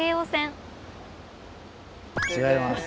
違います。